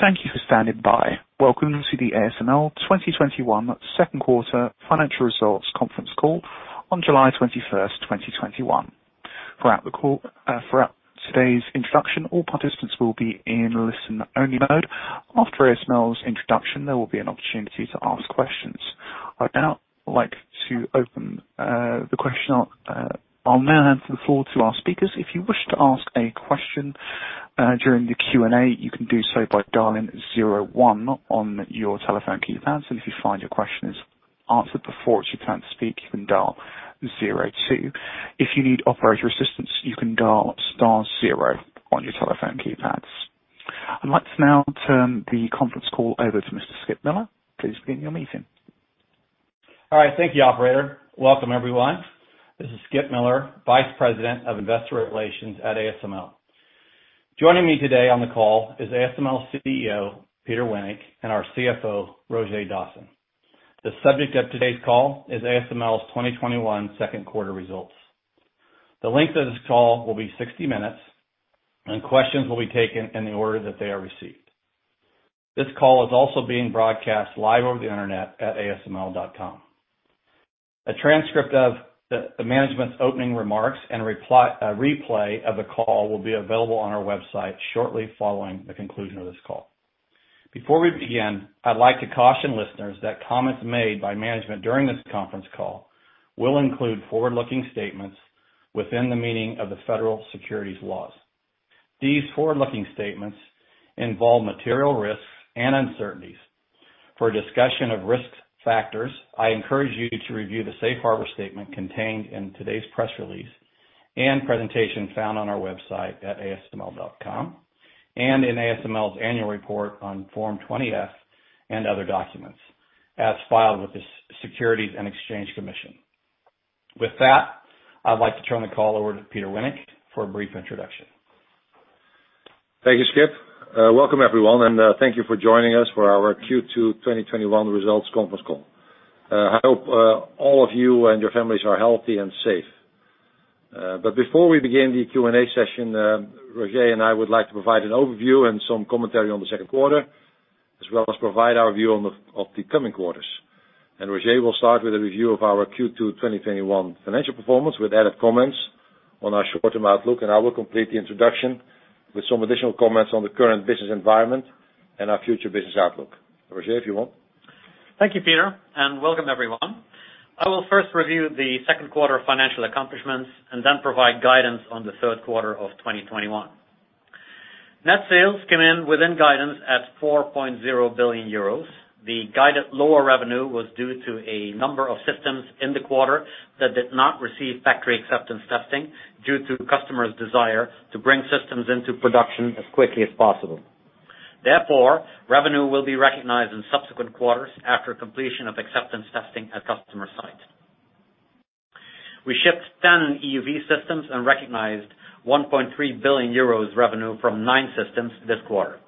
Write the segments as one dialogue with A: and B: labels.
A: Thank you for standing by. Welcome to the ASML 2021 second quarter financial results conference call on July 21st, 2021. Throughout today's introduction, all participants will be in listen only mode. After ASML's introduction, there will be an opportunity to ask questions. I'd now like to open. I'll now hand the floor to our speakers. If you wish to ask a question during the Q&A, you can do so by dialing zero one on your telephone key pad. So, if you find your question is answered before which you can't speak, you can dial zero two. If you need operator assistance, you can dial star zero on your telephone keypads. I'd like to now turn the conference call over to Mr. Skip Miller. Please begin your meeting.
B: All right. Thank you, operator. Welcome, everyone. This is Skip Miller, Vice President of Investor Relations at ASML. Joining me today on the call is ASML's CEO, Peter Wennink, and our CFO, Roger Dassen. The subject of today's call is ASML's 2021 second quarter results. The length of this call will be 60 minutes. Questions will be taken in the order that they are received. This call is also being broadcast live over the Internet at asml.com. A transcript of the management's opening remarks and replay of the call will be available on our website shortly following the conclusion of this call. Before we begin, I'd like to caution listeners that comments made by management during this conference call will include forward-looking statements within the meaning of the federal securities laws. These forward-looking statements involve material risks and uncertainties. For a discussion of risk factors, I encourage you to review the safe harbor statement contained in today's press release and presentation found on our website at asml.com and in ASML's annual report on Form 20-F and other documents as filed with the Securities and Exchange Commission. With that, I'd like to turn the call over to Peter Wennink for a brief introduction.
C: Thank you, Skip. Welcome everyone, thank you for joining us for our Q2 2021 results conference call. I hope all of you and your families are healthy and safe. Before we begin the Q&A session, Roger and I would like to provide an overview and some commentary on the second quarter, as well as provide our view of the coming quarters. Roger will start with a review of our Q2 2021 financial performance with added comments on our short-term outlook, and I will complete the introduction with some additional comments on the current business environment and our future business outlook. Roger, if you want.
D: Thank you, Peter, and welcome everyone. I will first review the second quarter financial accomplishments and then provide guidance on the third quarter of 2021. Net sales came in within guidance at 4.0 billion euros. The guided lower revenue was due to a number of systems in the quarter that did not receive factory acceptance testing due to customers' desire to bring systems into production as quickly as possible. Therefore, revenue will be recognized in subsequent quarters after completion of acceptance testing at customer site. We shipped 10 EUV systems and recognized 1.3 billion euros revenue from nine systems this quarter.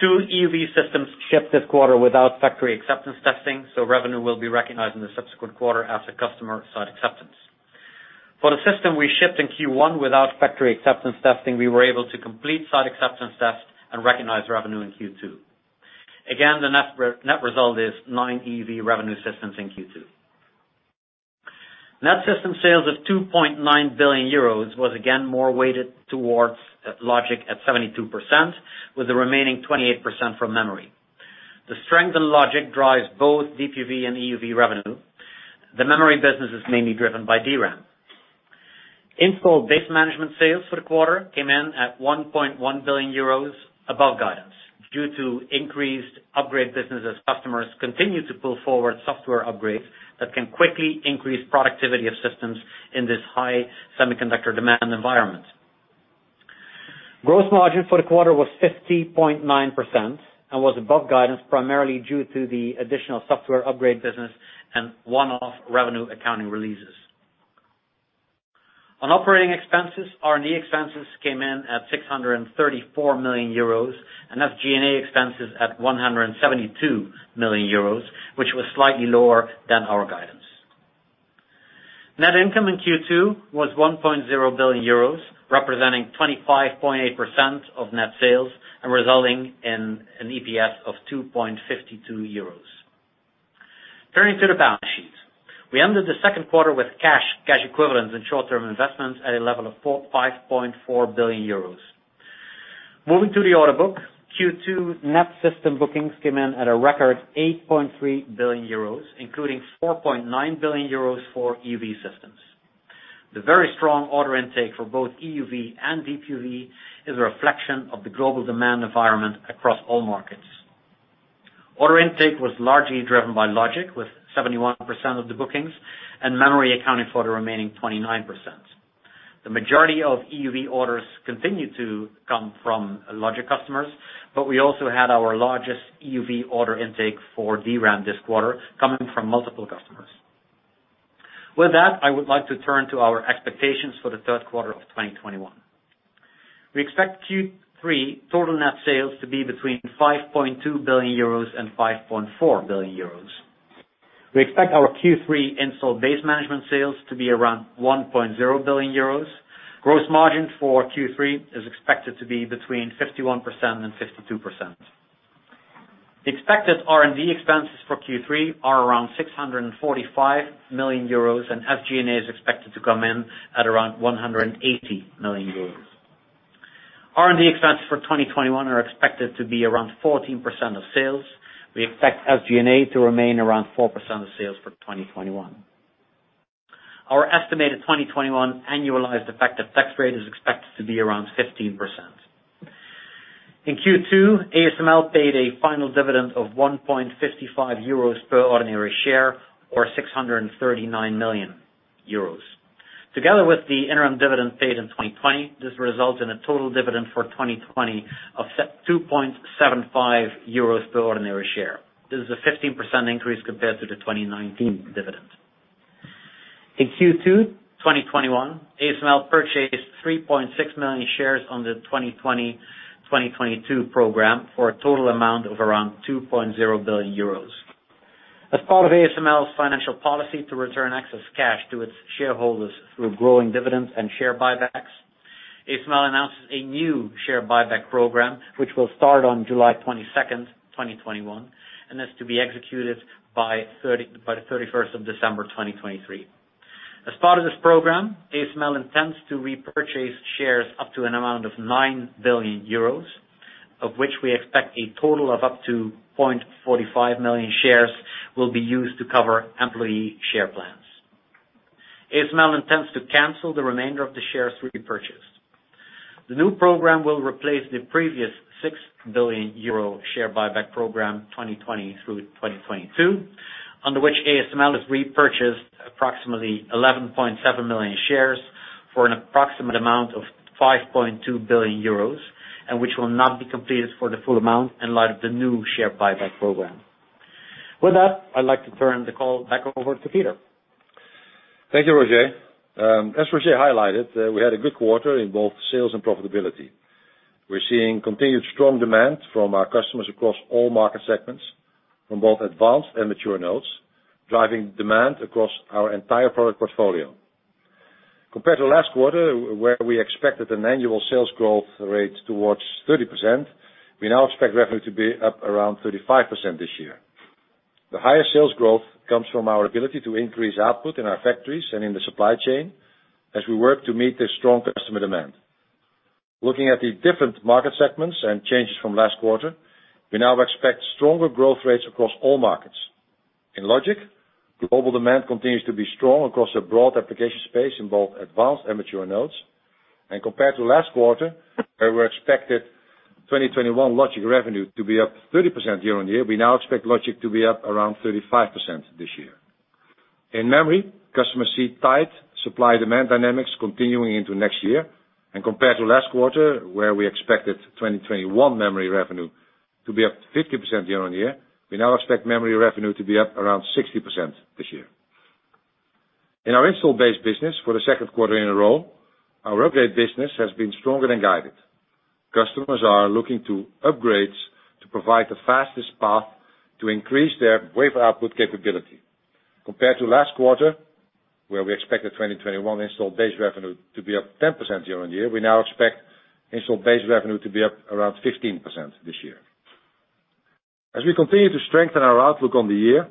D: Two EUV systems shipped this quarter without factory acceptance testing, revenue will be recognized in the subsequent quarter after customer site acceptance. For the system we shipped in Q1 without factory acceptance testing, we were able to complete site acceptance test and recognize revenue in Q2. The net result is nine EUV revenue systems in Q2. Net system sales of 2.9 billion euros was again more weighted towards logic at 72%, with the remaining 28% from memory. The strength in logic drives both DUV and EUV revenue. The memory business is mainly driven by DRAM. Installed base management sales for the quarter came in at 1.1 billion euros above guidance due to increased upgrade business as customers continue to pull forward software upgrades that can quickly increase productivity of systems in this high semiconductor demand environment. Gross margin for the quarter was 50.9% and was above guidance primarily due to the additional software upgrade business and one-off revenue accounting releases. On operating expenses, R&D expenses came in at EUR 634 million, and that's G&A expenses at EUR 172 million, which was slightly lower than our guidance. Net income in Q2 was 1.0 billion euros, representing 25.8% of net sales and resulting in an EPS of 2.52 euros. Turning to the balance sheet. We ended the second quarter with cash equivalents and short-term investments at a level of 5.4 billion euros. Moving to the order book. Q2 net system bookings came in at a record 8.3 billion euros, including 4.9 billion euros for EUV systems. The very strong order intake for both EUV and DUV is a reflection of the global demand environment across all markets. Order intake was largely driven by logic, with 71% of the bookings, and memory accounted for the remaining 29%. The majority of EUV orders continued to come from logic customers, but we also had our largest EUV order intake for DRAM this quarter, coming from multiple customers. With that, I would like to turn to our expectations for Q3 2021. We expect Q3 total net sales to be between 5.2 billion euros and 5.4 billion euros. We expect our Q3 installed base management sales to be around 1.0 billion euros. Gross margin for Q3 is expected to be between 51% and 52%. Expected R&D expenses for Q3 are around EUR 645 million and SG&A is expected to come in at around 180 million euros. R&D expenses for 2021 are expected to be around 14% of sales. We expect SG&A to remain around 4% of sales for 2021. Our estimated 2021 annualized effective tax rate is expected to be around 15%. In Q2, ASML paid a final dividend of 1.55 euros per ordinary share or 639 million euros. Together with the interim dividend paid in 2020, this results in a total dividend for 2020 of 2.75 euros per ordinary share. This is a 15% increase compared to the 2019 dividend. In Q2 2021, ASML purchased 3.6 million shares on the 2020, 2022 program for a total amount of around 2.0 billion euros. As part of ASML's financial policy to return excess cash to its shareholders through growing dividends and share buybacks, ASML announces a new share buyback program which will start on July 22nd, 2021, and that's to be executed by the 31st of December, 2023. As part of this program, ASML intends to repurchase shares up to an amount of 9 billion euros, of which we expect a total of up to 0.45 million shares will be used to cover employee share plans. ASML intends to cancel the remainder of the shares repurchased. The new program will replace the previous 6 billion euro share buyback program, 2020 through 2022, under which ASML has repurchased approximately 11.7 million shares for an approximate amount of 5.2 billion euros, and which will not be completed for the full amount in light of the new share buyback program. With that, I'd like to turn the call back over to Peter.
C: Thank you, Roger. As Roger highlighted, we had a good quarter in both sales and profitability. We're seeing continued strong demand from our customers across all market segments, from both advanced and mature nodes, driving demand across our entire product portfolio. Compared to last quarter, where we expected an annual sales growth rate towards 30%, we now expect revenue to be up around 35% this year. The higher sales growth comes from our ability to increase output in our factories and in the supply chain as we work to meet the strong customer demand. Looking at the different market segments and changes from last quarter, we now expect stronger growth rates across all markets. In logic, global demand continues to be strong across a broad application space in both advanced and mature nodes. Compared to last quarter, where we expected 2021 logic revenue to be up 30% year-on-year, we now expect logic to be up around 35% this year. In memory, customers see tight supply-demand dynamics continuing into next year. Compared to last quarter, where we expected 2021 memory revenue to be up 50% year-on-year, we now expect memory revenue to be up around 60% this year. In our install base business for the second quarter in a row, our upgrade business has been stronger than guided. Customers are looking to upgrades to provide the fastest path to increase their wafer output capability. Compared to last quarter, where we expected 2021 install base revenue to be up 10% year-on-year, we now expect install base revenue to be up around 15% this year. As we continue to strengthen our outlook on the year,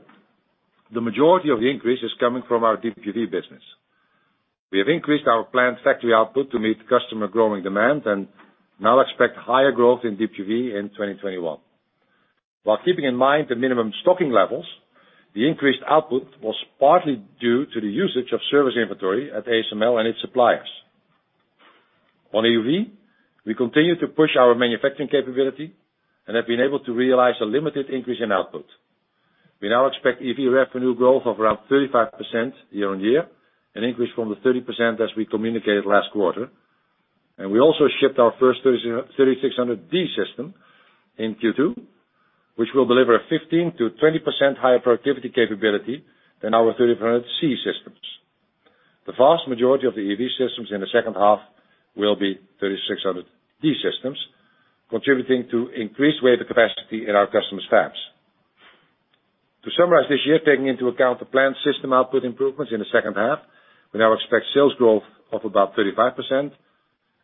C: the majority of the increase is coming from our DUV business. We have increased our planned factory output to meet customer growing demand. Now expect higher growth in DUV in 2021. While keeping in mind the minimum stocking levels, the increased output was partly due to the usage of service inventory at ASML and its suppliers. On EUV, we continue to push our manufacturing capability. Have been able to realize a limited increase in output. We now expect EUV revenue growth of around 35% year-over-year, an increase from the 30% as we communicated last quarter. We also shipped our first 3600D system in Q2, which will deliver a 15%-20% higher productivity capability than our 3300C systems. The vast majority of the EUV systems in the second half will be 3600D systems, contributing to increased wafer capacity in our customers' fabs. To summarize this year, taking into account the planned system output improvements in the second half, we now expect sales growth of about 35%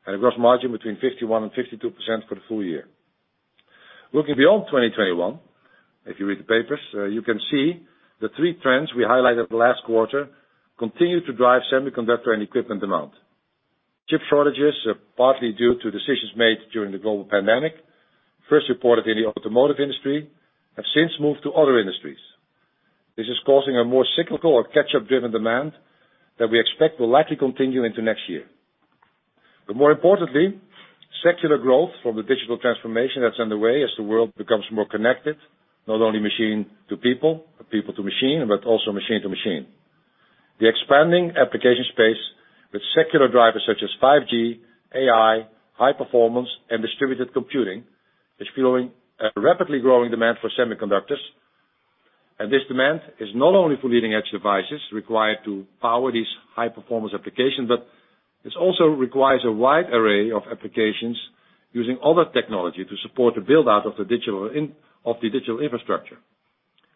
C: and a gross margin between 51% and 52% for the full year. Looking beyond 2021, if you read the papers, you can see the three trends we highlighted last quarter continue to drive semiconductor and equipment demand. Chip shortages are partly due to decisions made during the global pandemic. First reported in the automotive industry, have since moved to other industries. This is causing a more cyclical or catch-up driven demand that we expect will likely continue into next year. More importantly, secular growth from the digital transformation that's underway as the world becomes more connected, not only machine to people, but people to machine, but also machine to machine. The expanding application space with secular drivers such as 5G, AI, high performance, and distributed computing is flowing, rapidly growing demand for semiconductors. This demand is not only for leading-edge devices required to power these high-performance applications, but this also requires a wide array of applications using other technology to support the build-out of the digital infrastructure.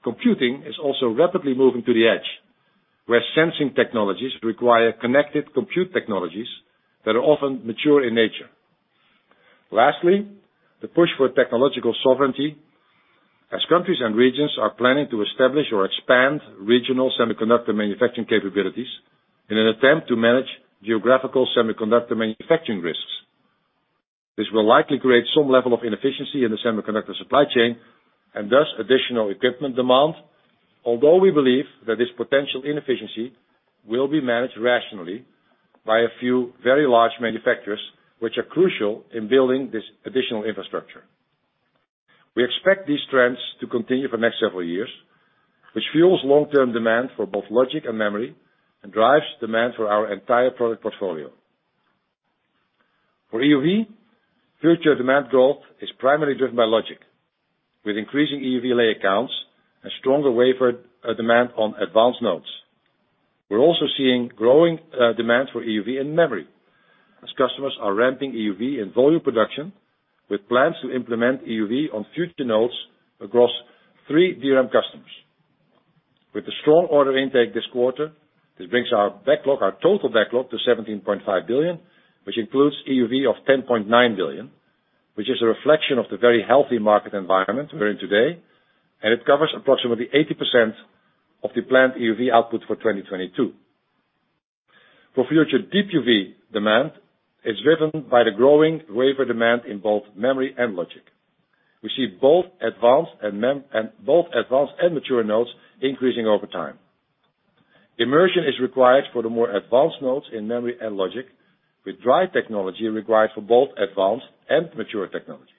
C: Computing is also rapidly moving to the edge, where sensing technologies require connected compute technologies that are often mature in nature. Lastly, the push for technological sovereignty as countries and regions are planning to establish or expand regional semiconductor manufacturing capabilities in an attempt to manage geographical semiconductor manufacturing risks. This will likely create some level of inefficiency in the semiconductor supply chain, and thus additional equipment demand. Although we believe that this potential inefficiency will be managed rationally by a few very large manufacturers, which are crucial in building this additional infrastructure. We expect these trends to continue for next several years, which fuels long-term demand for both logic and memory, and drives demand for our entire product portfolio. For EUV, future demand growth is primarily driven by logic, with increasing EUV layer counts and stronger wafer demand on advanced nodes. We're also seeing growing demand for EUV in memory, as customers are ramping EUV in volume production with plans to implement EUV on future nodes across three DRAM customers. With the strong order intake this quarter, this brings our backlog, our total backlog to EUR 17.5 billion, which includes EUV of EUR 10.9 billion, which is a reflection of the very healthy market environment we're in today, and it covers approximately 80% of the planned EUV output for 2022. Future Deep UV demand is driven by the growing wafer demand in both memory and logic. We see both advanced and both advanced and mature nodes increasing over time. Immersion is required for the more advanced nodes in memory and logic, with dry technology required for both advanced and mature technology.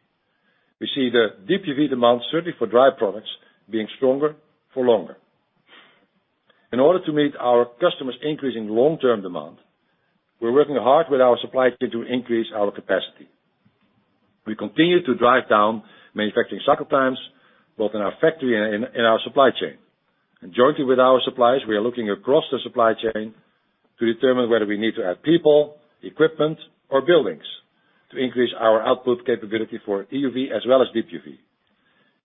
C: We see the Deep UV demand, certainly for dry products, being stronger for longer. In order to meet our customers' increasing long-term demand, we're working hard with our supply chain to increase our capacity. We continue to drive down manufacturing cycle times, both in our factory and in our supply chain. Jointly with our suppliers, we are looking across the supply chain to determine whether we need to add people, equipment, or buildings to increase our output capability for EUV as well as Deep UV.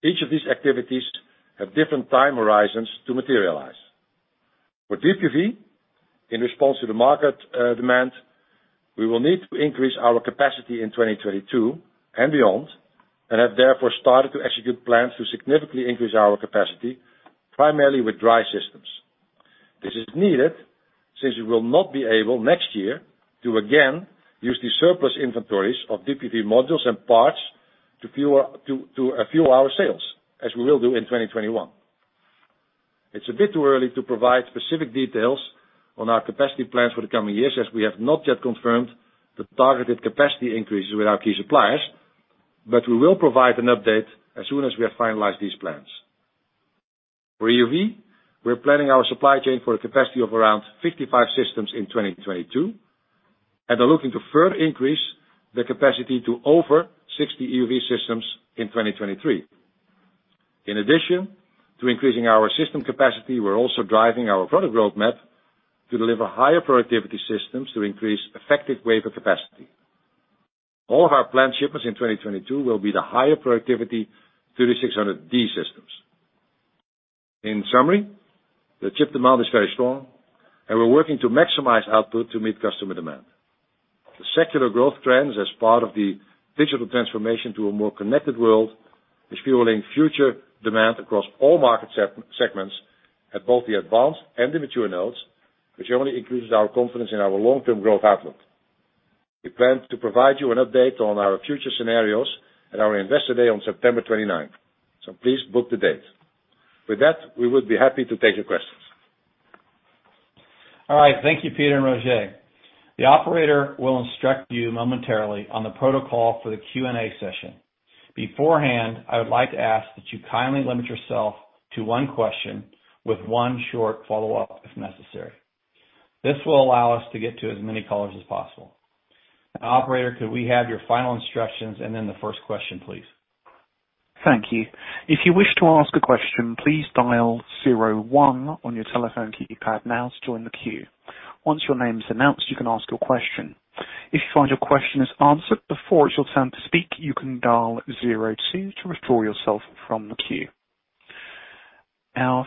C: Each of these activities have different time horizons to materialize. For Deep UV, in response to the market demand, we will need to increase our capacity in 2022 and beyond, therefore started to execute plans to significantly increase our capacity, primarily with dry systems. This is needed since we will not be able, next year, to again use the surplus inventories of Deep UV modules and parts to fuel our sales as we will do in 2021. It's a bit too early to provide specific details on our capacity plans for the coming years, as we have not yet confirmed the targeted capacity increases with our key suppliers, but we will provide an update as soon as we have finalized these plans. For EUV, we're planning our supply chain for a capacity of around 55 systems in 2022, and are looking to further increase the capacity to over 60 EUV systems in 2023. In addition to increasing our system capacity, we're also driving our product roadmap to deliver higher productivity systems to increase effective wafer capacity. All of our planned shipments in 2022 will be the higher productivity 3600D systems. In summary, the chip demand is very strong, and we're working to maximize output to meet customer demand. The secular growth trends as part of the digital transformation to a more connected world is fueling future demand across all market segments at both the advanced and the mature nodes, which only increases our confidence in our long-term growth outlook. We plan to provide you an update on our future scenarios at our Investor Day on September 29th. Please book the date. With that, we would be happy to take your questions.
B: All right. Thank you, Peter and Roger. The operator will instruct you momentarily on the protocol for the Q&A session. Beforehand, I would like to ask that you kindly limit yourself to one question with one short follow-up if necessary. This will allow us to get to as many callers as possible. Operator, could we have your final instructions and then the first question, please?
A: Thank you. Our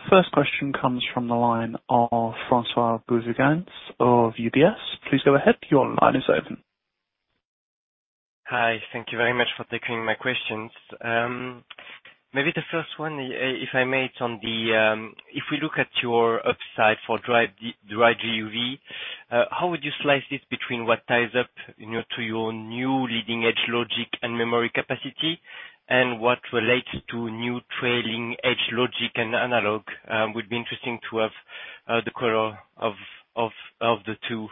A: first question comes from the line of Francois Bouvignies of UBS. Please go ahead. Your line is open.
E: Hi. Thank you very much for taking my questions. Maybe the first one, if I may, it's on the, if we look at your upside for dry DUV, how would you slice this between what ties up, you know, to your new leading-edge logic and memory capacity and what relates to new trailing edge logic and analog? Would be interesting to have the color of the two.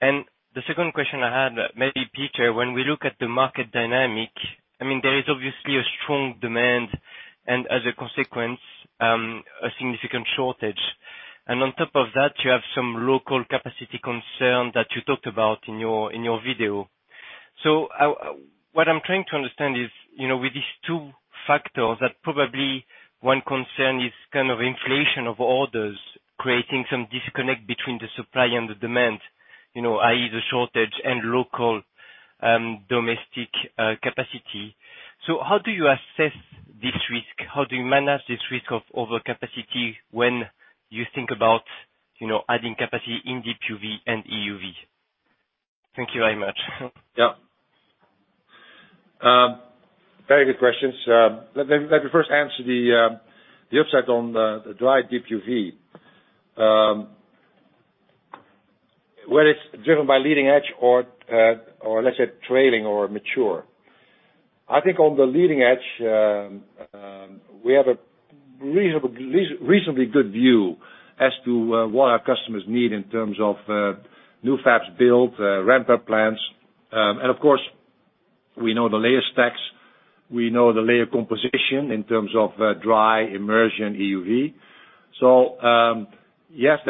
E: The second question I had, maybe Peter, when we look at the market dynamic, I mean, there is obviously a strong demand and as a consequence, a significant shortage. On top of that, you have some local capacity concern that you talked about in your, in your video. What I'm trying to understand is, you know, with these two factors that probably one concern is kind of inflation of orders, creating some disconnect between the supply and the demand, you know, i.e., the shortage and local, domestic, capacity. How do you assess this risk? How do you manage this risk of overcapacity when you think about, you know, adding capacity in Deep UV and EUV? Thank you very much.
C: Yeah. Very good questions. Let me first answer the upside on the dry Deep UV. Whether it's driven by leading edge or let's say, trailing or mature. I think on the leading edge, we have a reasonably good view as to what our customers need in terms of new fabs build, ramp-up plans. Of course, we know the layer stacks, we know the layer composition in terms of dry immersion EUV. Yes,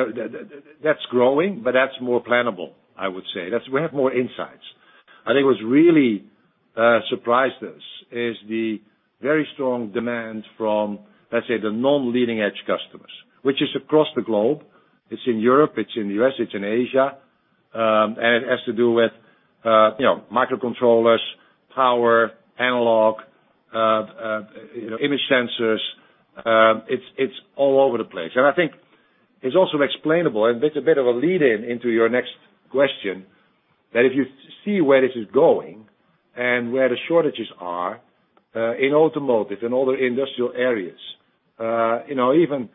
C: that's growing, but that's more plannable, I would say. We have more insights. I think what's really surprised us is the very strong demand from, let's say, the non-leading edge customers, which is across the globe. It's in Europe, it's in U.S., it's in Asia, and it has to do with, you know, microcontrollers, power, analog, you know, image sensors. It's all over the place. I think it's also explainable, and it's a bit of a lead-in into your next question, that if you see where this is going and where the shortages are, in automotive and other industrial areas, you know, even,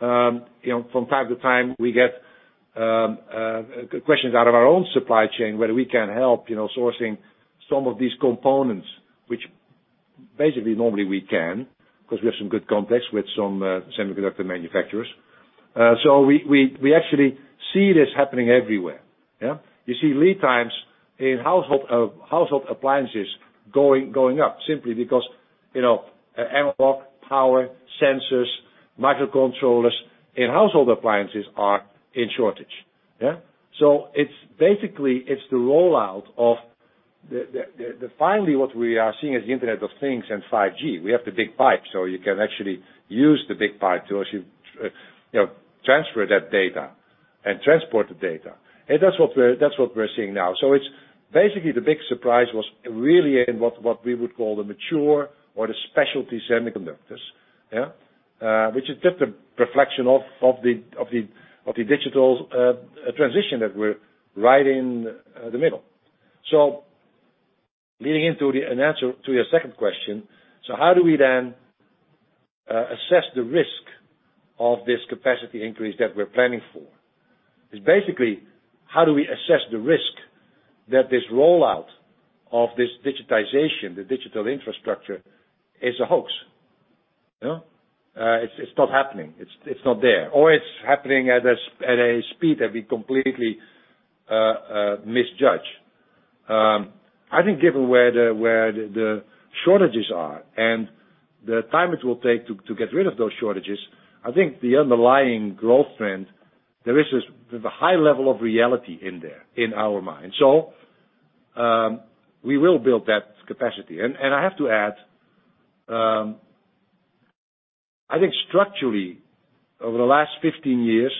C: you know, from time to time, we get questions out of our own supply chain, whether we can help, you know, sourcing some of these components, which basically, normally we can, 'cause we have some good contacts with some semiconductor manufacturers. We actually see this happening everywhere. Yeah. You see lead times in household appliances going up simply because, you know, analog, power, sensors, microcontrollers in household appliances are in shortage. Yeah. It's basically, it's the rollout of the Finally, what we are seeing is the Internet of Things and 5G. We have the big pipe, so you can actually use the big pipe to actually, you know, transfer that data and transport the data. That's what we're seeing now. It's basically the big surprise was really in what we would call the mature or the specialty semiconductors. Yeah. Which is just a reflection of the digital transition that we're right in the middle. Leading into the answer to your second question. How do we then assess the risk of this capacity increase that we're planning for? Is basically how do we assess the risk that this rollout of this digitization, the digital infrastructure, is a hoax? You know. It's, it's not happening. It's, it's not there. Or it's happening at a speed that we completely misjudge. I think given where the, where the shortages are and the time it will take to get rid of those shortages, I think the underlying growth trend there is this, the high level of reality in there, in our minds. We will build that capacity. I have to add, I think structurally, over the last 15 years,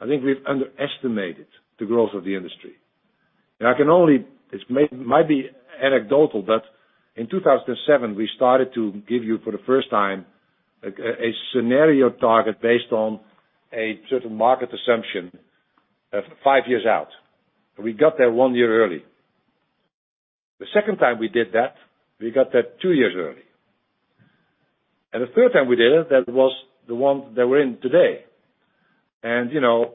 C: I think we've underestimated the growth of the industry. I can only It might be anecdotal that in 2007, we started to give you, for the first time, a scenario target based on a certain market assumption of five years out. We got there one year early. The second time we did that, we got there two years early. The third time we did it, that was the one that we're in today. You know,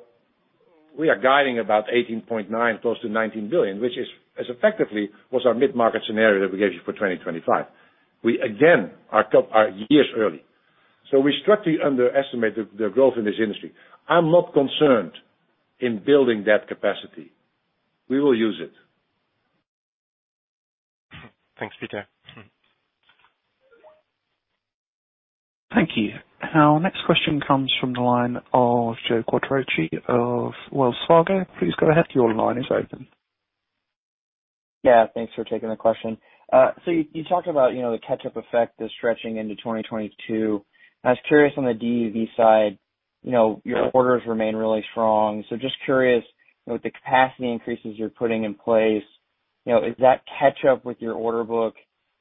C: we are guiding about 18.9, close to 19 billion, which is effectively was our mid-market scenario that we gave you for 2025. We again are years early. We structurally underestimate the growth in this industry. I'm not concerned in building that capacity. We will use it.
E: Thanks, Peter.
A: Thank you. Our next question comes from the line of Joe Quatrochi of Wells Fargo. Please go ahead. Your line is open.
F: Yeah, thanks for taking the question. You talked about, you know, the catch-up effect, this stretching into 2022. I was curious on the DUV side, you know, your orders remain really strong. Just curious, you know, with the capacity increases you're putting in place, you know, is that catch up with your order book?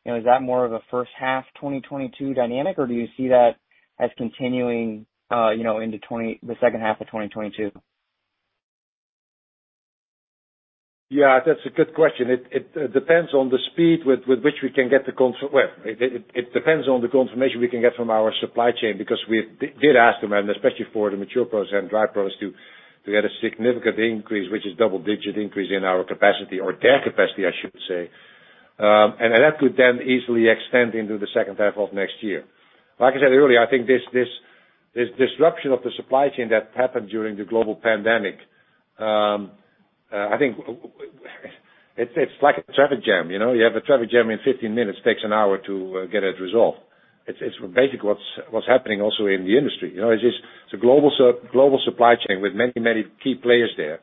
F: You know, is that more of a first half 2022 dynamic, or do you see that as continuing, you know, into the second half of 2022?
C: Yeah, that's a good question. Well, it depends on the confirmation we can get from our supply chain because we did ask them, and especially for the mature pros and dry pros to get a significant increase, which is double-digit increase in our capacity or their capacity, I should say. That could then easily extend into the second half of next year. Like I said earlier, I think this disruption of the supply chain that happened during the global pandemic, it's like a traffic jam. You know? You have a traffic jam in 15 minutes, takes one hour to get it resolved. It's basically what's happening also in the industry. You know, it's a global supply chain with many, many key players there.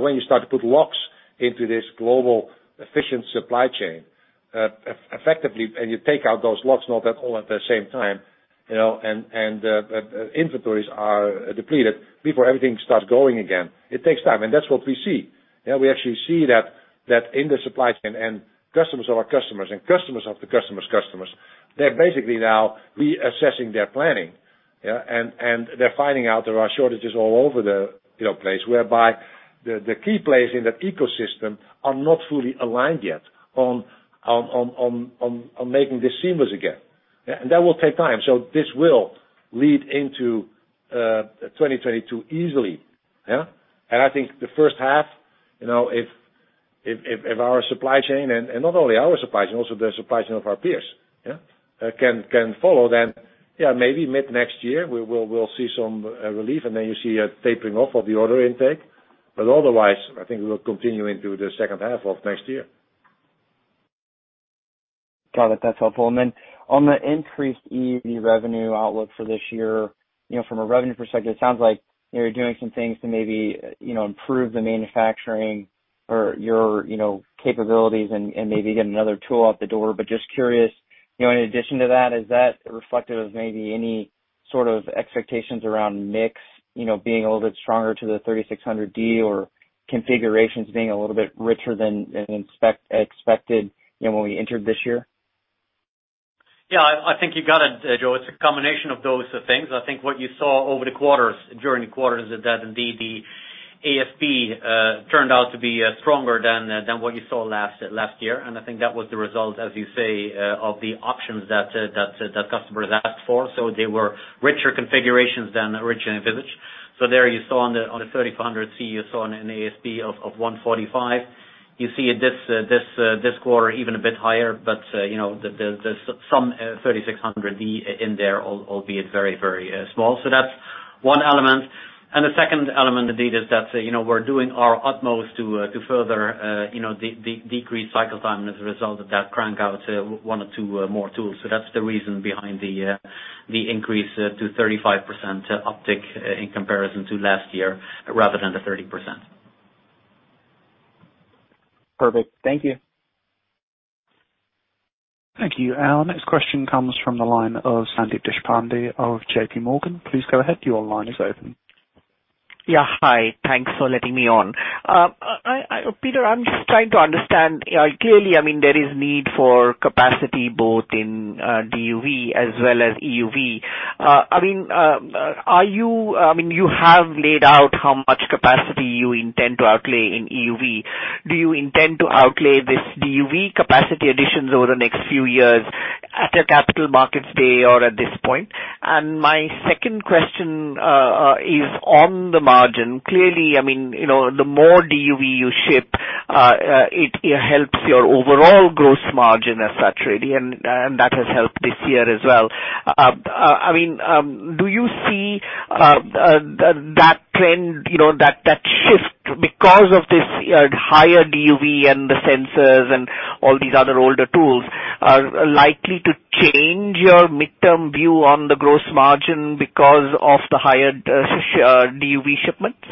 C: When you start to put locks into this global efficient supply chain, effectively, and you take out those locks, not at all at the same time, you know, and the inventories are depleted before everything starts going again, it takes time. That's what we see. Yeah, we actually see that in the supply chain and customers of our customers and customers of the customer's customers, they're basically now reassessing their planning. Yeah. They're finding out there are shortages all over the, you know, place, whereby the key players in that ecosystem are not fully aligned yet on making this seamless again. Yeah. That will take time. This will lead into 2022 easily. Yeah. I think the first half, you know, if our supply chain and not only our supply chain, also the supply chain of our peers, yeah, can follow, then, yeah, maybe mid-next year we'll see some relief, and then you see a tapering off of the order intake. Otherwise, I think we will continue into the second half of next year.
F: Got it. That's helpful. On the increased EUV revenue outlook for this year, you know, from a revenue perspective, it sounds like you're doing some things to maybe, you know, improve the manufacturing or your, you know, capabilities and maybe get another tool out the door. Just curious, you know, in addition to that, is that reflective of maybe any sort of expectations around mix, you know, being a little bit stronger to the 3600D or configurations being a little bit richer than expected, you know, when we entered this year?
D: I think you got it, Joe. It's a combination of those things. I think what you saw over the quarters, during the quarters is that indeed the ASP turned out to be stronger than what you saw last year. I think that was the result, as you say, of the options that customers asked for. They were richer configurations than originally envisaged. There you saw on the 3400C, you saw an ASP of 145. You see this quarter even a bit higher, you know, some 3600D in there, albeit very small. That's one element. The second element indeed is that, you know, we're doing our utmost to further, you know, decrease cycle time as a result of that crank out one or two more tools. That's the reason behind the increase to 35% uptick in comparison to last year rather than the 30%.
F: Perfect. Thank you.
A: Thank you. Our next question comes from the line of Sandeep Deshpande of JPMorgan. Please go ahead. Your line is open.
G: Yeah. Hi. Thanks for letting me on. Peter, I'm just trying to understand. Clearly, I mean, there is need for capacity both in DUV as well as EUV. I mean, you have laid out how much capacity you intend to outlay in EUV. Do you intend to outlay this DUV capacity additions over the next few years at a Capital Markets Day or at this point? My second question is on the margin. Clearly, I mean, you know, the more DUV you ship, it helps your overall gross margin as such really, and that has helped this year as well. I mean, do you see that trend, you know, that shift because of this higher DUV and the sensors and all these other older tools are likely to change your midterm view on the gross margin because of the higher DUV shipments?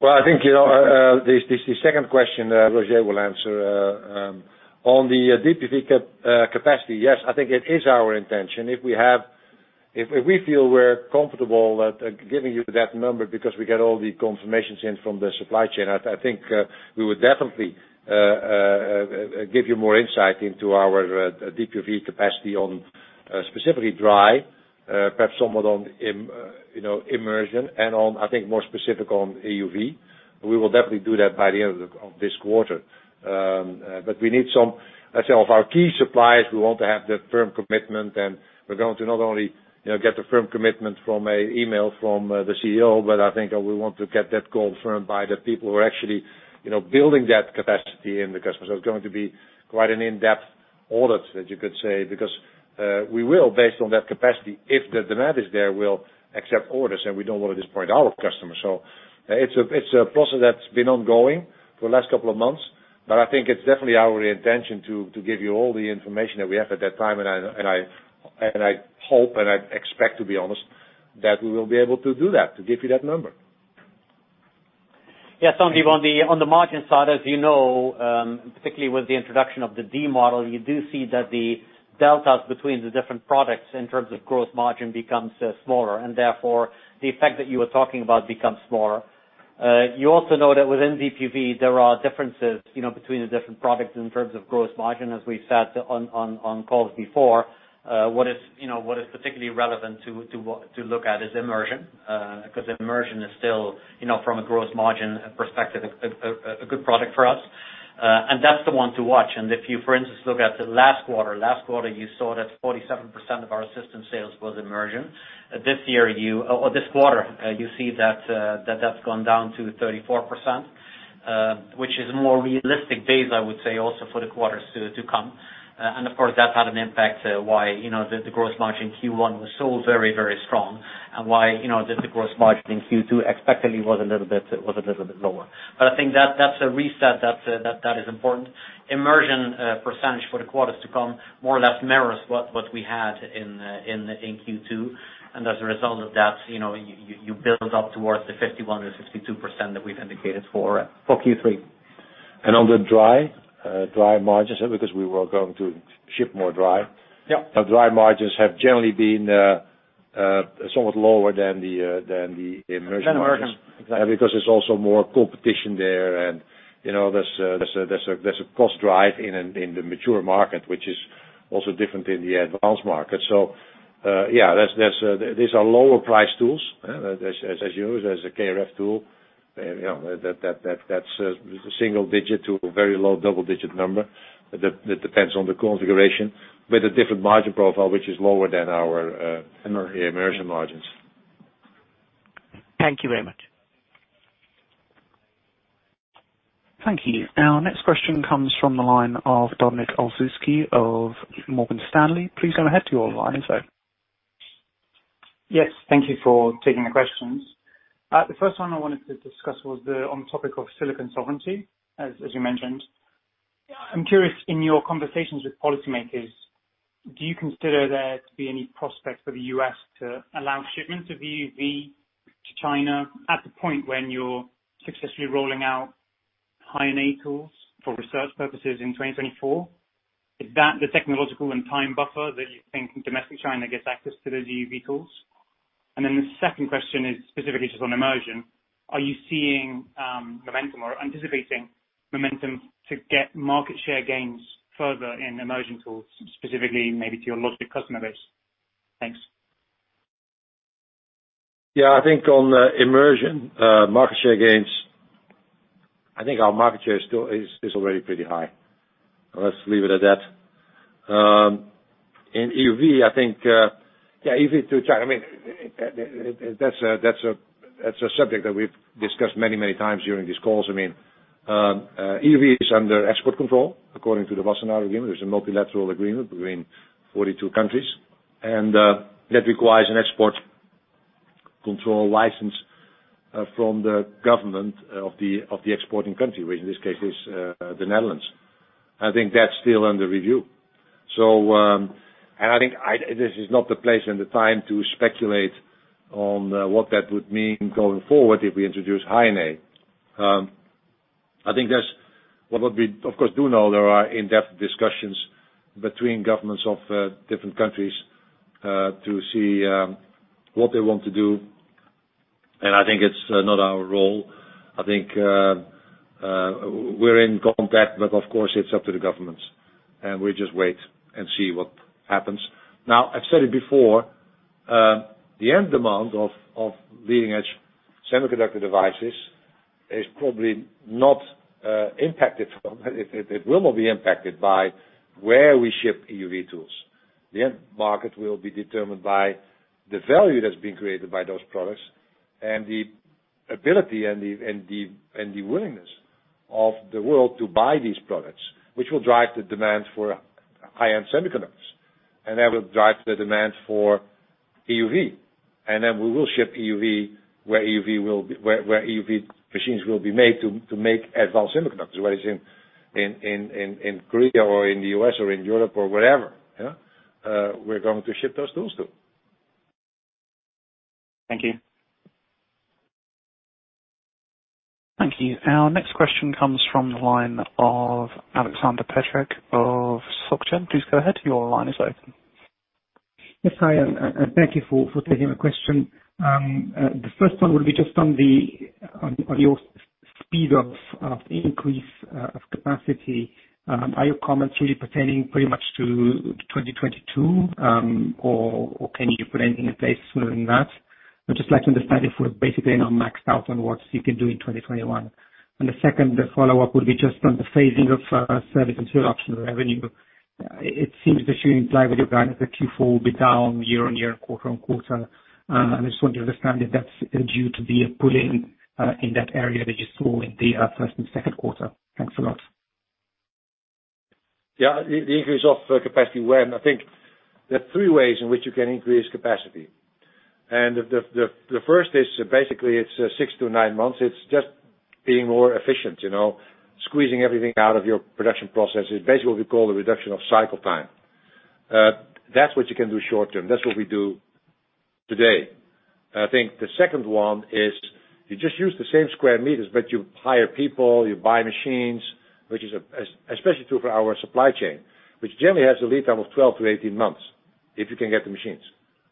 C: Well, I think, you know, this, the second question, Roger will answer. On the DUV capacity, yes, I think it is our intention. If we feel we're comfortable at giving you that number because we get all the confirmations in from the supply chain, I think, we would definitely give you more insight into our DUV capacity on specifically dry, perhaps somewhat on you know, immersion and on, I think, more specific on EUV. We will definitely do that by the end of this quarter. We need some Let's say of our key suppliers, we want to have the firm commitment, and we're going to not only, you know, get the firm commitment from a email from the CEO, but I think we want to get that confirmed by the people who are actually, you know, building that capacity in the customer. It's going to be quite an in-depth audit, as you could say, because we will, based on that capacity, if the demand is there, we'll accept orders, and we don't want to disappoint our customers. It's a process that's been ongoing for the last couple of months, but I think it's definitely our intention to give you all the information that we have at that time. I hope, and I expect, to be honest, that we will be able to do that, to give you that number.
D: Yeah, Sandeep, on the margin side, as you know, particularly with the introduction of the D model, you do see that the deltas between the different products in terms of gross margin becomes smaller, therefore the effect that you were talking about becomes smaller. You also know that within DUV, there are differences, you know, between the different products in terms of gross margin. As we said on calls before, what is, you know, what is particularly relevant to look at is immersion, because immersion is still, you know, from a gross margin perspective, a good product for us. That's the one to watch. If you, for instance, look at the last quarter, you saw that 47% of our system sales was immersion. This quarter, you see that that's gone down to 34%, which is more realistic days, I would say, also for the quarters to come. Of course, that's had an impact why, you know, the gross margin Q1 was so very strong and why, you know, the gross margin in Q2 expectedly was a little bit lower. I think that's a reset that is important. Immersion, percentage for the quarters to come, more or less mirrors what we had in Q2. As a result of that, you know, you build up towards the 51% or 62% that we've indicated for Q3.
C: On the DUV margins, because we were going to ship more DUV.
D: Yeah.
C: The dry margins have generally been somewhat lower than the than the immersion.
D: Than immersion.
C: Because there's also more competition there. You know, there's a cost drive in the mature market, which is also different in the advanced market. Yeah, that's these are lower priced tools, as a KrF tool. That's a single-digit to a very low double-digit number. That depends on the configuration. A different margin profile, which is lower than our immersion margins.
G: Thank you very much.
A: Thank you. Our next question comes from the line of Dominik Olszewski of Morgan Stanley.
H: Yes, thank you for taking the questions. The first one I wanted to discuss on the topic of silicon sovereignty, as you mentioned. I'm curious, in your conversations with policymakers, do you consider there to be any prospects for the U.S. to allow shipments of EUV to China at the point when you're successfully rolling out High NA tools for research purposes in 2024? Is that the technological and time buffer that you think domestic China gets access to the DUV tools? The second question is specifically just on immersion. Are you seeing momentum or anticipating momentum to get market share gains further in immersion tools, specifically maybe to your logic customer base? Thanks.
C: Yeah, I think on the immersion market share gains, I think our market share is still already pretty high. Let's leave it at that. In EUV, I think, EUV to China, I mean, that's a subject that we've discussed many, many times during these calls. I mean, EUV is under export control, according to the Wassenaar Arrangement. It's a multilateral agreement between 42 countries. That requires an export control license from the government of the exporting country, which in this case is the Netherlands. I think that's still under review. I think this is not the place and the time to speculate on what that would mean going forward if we introduce High NA. I think that's what we, of course, do know there are in-depth discussions between governments of different countries to see what they want to do. I think it's not our role. I think we're in contact, but of course, it's up to the governments, and we just wait and see what happens. I've said it before, the end demand of leading-edge semiconductor devices is probably not impacted. It will not be impacted by where we ship EUV tools. The end market will be determined by the value that's been created by those products, and the ability and the willingness of the world to buy these products, which will drive the demand for high-end semiconductors. That will drive the demand for EUV. Then we will ship EUV, where EUV will be, where EUV machines will be made to make advanced semiconductors, whether it's in Korea or in the U.S. or in Europe or wherever. We're going to ship those tools too.
H: Thank you.
A: Thank you. Our next question comes from the line of Aleksander Peterc of SocGen. Please go ahead. Your line is open.
I: Yes, hi, and thank you for taking the question. The first one will be just on the speed of increase of capacity. Are your comments really pertaining pretty much to 2022? Or can you put anything in place sooner than that? I'd just like to understand if we're basically not maxed out on what you can do in 2021. The second follow-up would be just on the phasing of service and consumption revenue. It seems to me in line with your guidance that Q4 will be down year-over-year and quarter-over-quarter. I just want to understand if that's due to the pulling in that area that you saw in the first and second quarter. Thanks a lot.
C: Yeah. The, the increase of capacity when I think there are three ways in which you can increase capacity. The first is basically it's 6-9 months. It's just being more efficient, you know. Squeezing everything out of your production process. It's basically what we call the reduction of cycle time. That's what you can do short-term. That's what we do today. I think the second one is you just use the same square meters, but you hire people, you buy machines, which is especially true for our supply chain, which generally has a lead time of 12-18 months, if you can get the machines.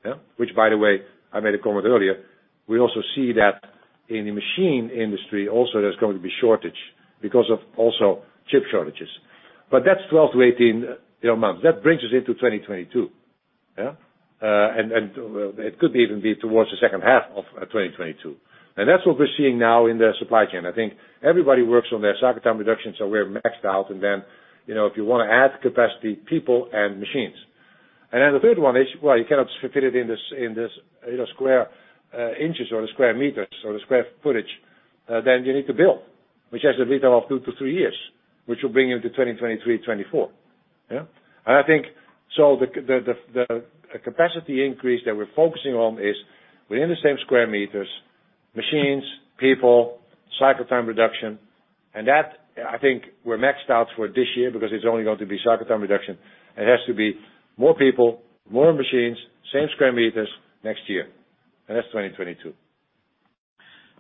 C: Yeah. Which, by the way, I made a comment earlier. We also see that in the machine industry also, there's going to be shortage because of also chip shortages. That's 12 to 18, you know, months. That brings us into 2022. Yeah. It could even be towards the second half of 2022. That's what we're seeing now in the supply chain. I think everybody works on their cycle time reduction, so we're maxed out. Then, you know, if you wanna add capacity, people and machines. Then the third one is, well, you cannot fit it in this, you know, square inches or the square meters or the square footage. Then you need to build, which has a lead time of two to three years, which will bring you into 2023, 2024. Yeah. I think, so the capacity increase that we're focusing on is within the same square meters. Machines, people, cycle time reduction. That, I think we're maxed out for this year because it's only going to be cycle time reduction. It has to be more people, more machines, same square meters next year. That's 2022.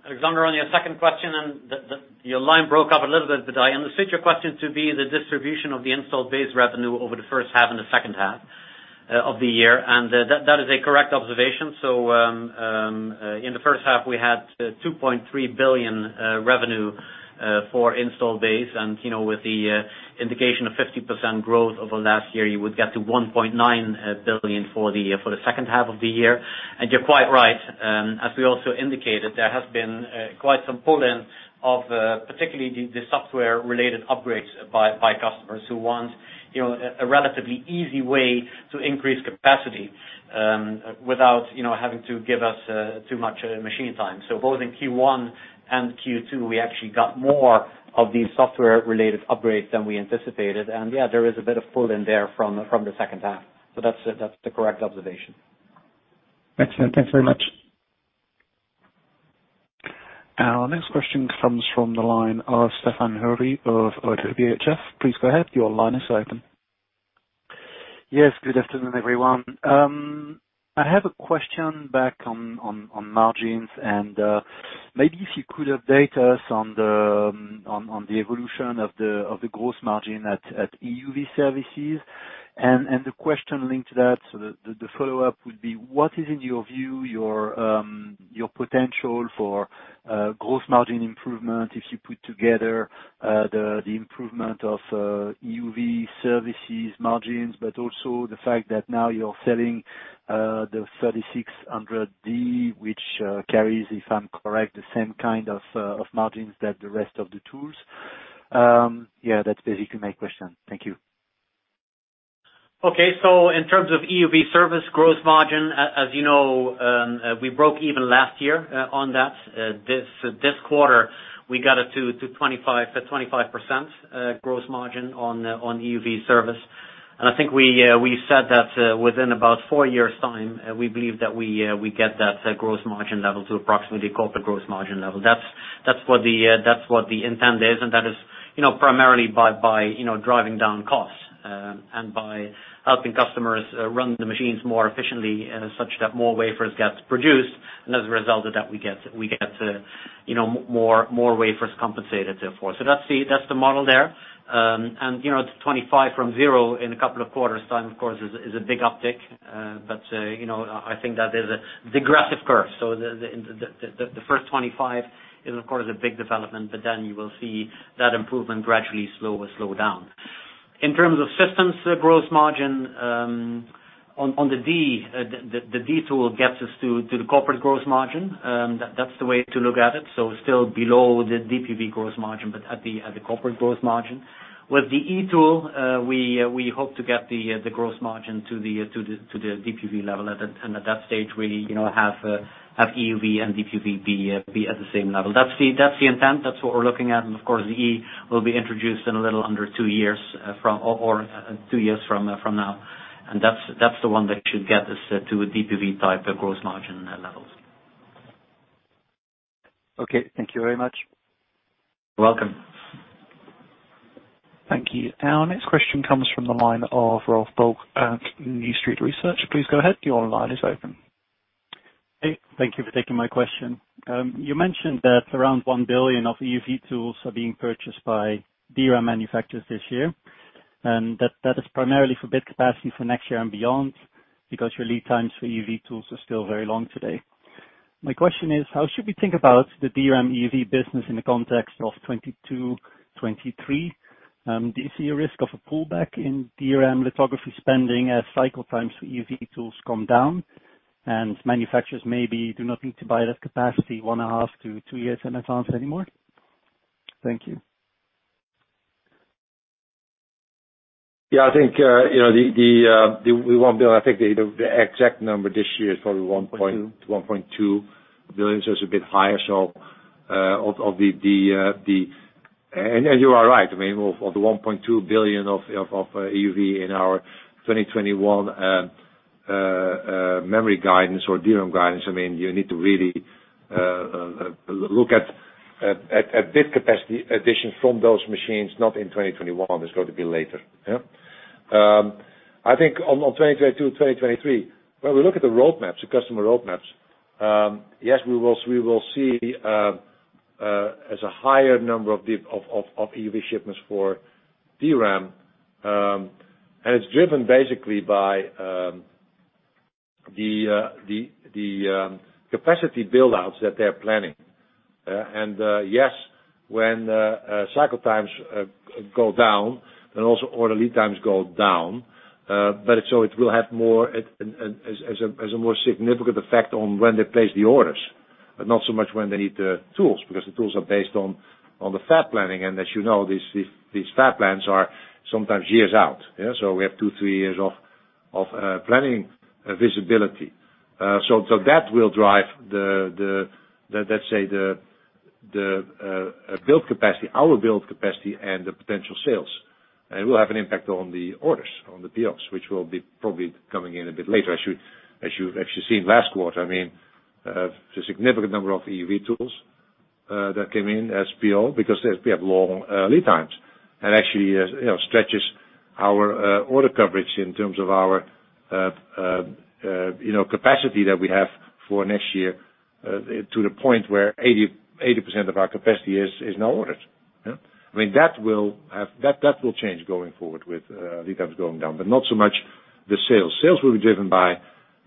D: Aleksander, on your second question and the your line broke up a little bit, but I understood your question to be the distribution of the install base revenue over the first half and the second half of the year. That is a correct observation. In the first half, we had 2.3 billion revenue for install base. You know, with the indication of 50% growth over last year, you would get to 1.9 billion for the second half of the year. You're quite right. As we also indicated, there has been quite some pull-in of particularly the software-related upgrades by customers who want a relatively easy way to increase capacity without having to give us too much machine time. Both in Q1 and Q2, we actually got more of these software-related upgrades than we anticipated. There is a bit of pull-in there from the second half. That's the correct observation.
I: Excellent. Thanks very much.
A: Our next question comes from the line of Stéphane Houri of ODDO BHF.
J: Yes. Good afternoon, everyone. I have a question back on margins, maybe if you could update us on the evolution of the gross margin at EUV services. The question linked to that, so the follow-up would be, what is, in your view, your potential for gross margin improvement if you put together the improvement of EUV services margins, but also the fact that now you're selling the 3600D, which carries, if I'm correct, the same kind of margins that the rest of the tools? That's basically my question. Thank you.
D: In terms of EUV service gross margin, as you know, we broke even last year on that. This quarter, we got it to 25% gross margin on EUV service. I think we said that within about four years' time, we believe that we get that gross margin level to approximately corporate gross margin level. That's what the, that's what the intent is, and that is, you know, primarily by, you know, driving down costs, and by helping customers run the machines more efficiently, such that more wafers gets produced. As a result of that, we get, you know, more wafers compensated therefore. That's the model there. You know, to 25 from zero in a couple of quarters' time, of course, is a big uptick. You know, I think that is a digressive curve. The first 25 is of course a big development, then you will see that improvement gradually slow down. In terms of systems gross margin, on the D, the D tool gets us to the corporate gross margin. That's the way to look at it. Still below the DUV gross margin, but at the corporate gross margin. With the E tool, we hope to get the gross margin to the DUV level. At that stage, you know, have EUV and DPV be at the same level. That's the intent. That's what we're looking at. Of course, the E will be introduced in a little under two years, or two years from now. That's the one that should get us to a DPV-type gross margin levels.
J: Okay. Thank you very much.
D: You're welcome.
A: Thank you. Our next question comes from the line of Rolf Bulk at New Street Research. Please go ahead. Your line is open.
K: Hey, thank you for taking my question. You mentioned that around 1 billion of EUV tools are being purchased by DRAM manufacturers this year, and that that is primarily for bit capacity for next year and beyond because your lead times for EUV tools are still very long today. My question is, how should we think about the DRAM EUV business in the context of 2022, 2023? Do you see a risk of a pullback in DRAM lithography spending as cycle times for EUV tools come down, and manufacturers maybe do not need to buy that capacity one and a half to two years in advance anymore? Thank you.
C: Yeah. I think, you know, the exact number this year is probably 1.2 billion, so it's a bit higher. You are right. I mean, of the 1.2 billion of EUV in our 2021 memory guidance or DRAM guidance, I mean, you need to really look at bit capacity addition from those machines, not in 2021. It's going to be later. Yeah. I think on 2022, 2023, when we look at the roadmaps, the customer roadmaps, yes, we will see a higher number of EUV shipments for DRAM. It's driven basically by the capacity build-outs that they're planning. Yes, when cycle times go down and also order lead times go down. It will have more an As a more significant effect on when they place the orders, but not so much when they need the tools, because the tools are based on the fab planning. As you know, these fab plans are sometimes years out. Yeah. We have two, three years of planning visibility. That will drive the, let's say the build capacity, our build capacity and the potential sales. It will have an impact on the orders, on the POs, which will be probably coming in a bit later. As you've actually seen last quarter, there's a significant number of EUV tools that came in as PO because we have long lead times. Actually, stretches our order coverage in terms of our capacity that we have for next year to the point where 80% of our capacity is now ordered. That will change going forward with lead times going down, but not so much the sales. Sales will be driven by